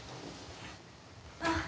あ。